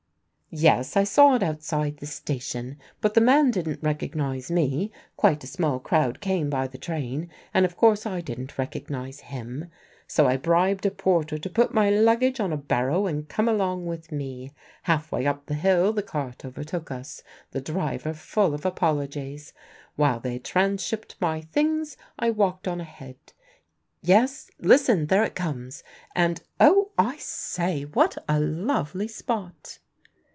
"Yes, I saw it outside the station; but the man didn't recognise me quite a small crowd came by the train and of course I didn't recognise him. So I bribed a porter to put my luggage on a barrow and come along with me. Half way up the hill the cart overtook us the driver full of apologies. While they transhipped my things I walked on ahead yes, listen, there it comes; and Oh, I say, what a lovely spot!"